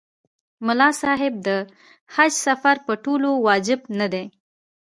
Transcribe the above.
ملا صاحب د حج سفر په ټولو واجب نه دی.